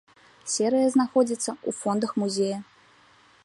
Серыя знаходзіцца ў фондах музея.